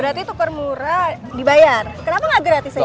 berarti tukar murah dibayar kenapa nggak gratis aja